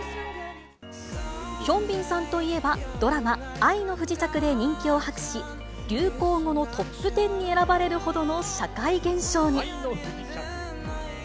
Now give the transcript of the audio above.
ヒョンビンさんといえば、ドラマ、愛の不時着で人気を博し、流行語のトップ１０に選ばれるほどの、社会現象に。